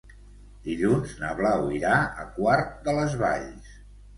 Dilluns na Blau irà a Quart de les Valls.